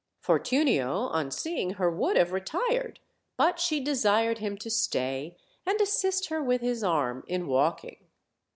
Fortunio on seeing her would have retired; but she desired him to stay and assist her with his arm in walking.